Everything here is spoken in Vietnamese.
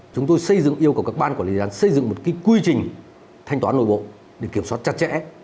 chúng tôi xây dựng yêu cầu các ban quản lý dự án xây dựng một quy trình thanh toán nội bộ để kiểm soát chặt chẽ